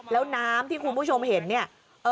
แล้วน้ำที่คุณผู้ชมเห็นเนี่ย